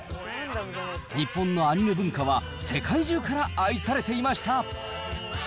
日本のアニメ文化は世界中から愛されていました。